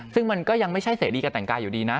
ซึ่งมันก็ยังไม่ใช่เสรีการแต่งกายอยู่ดีนะ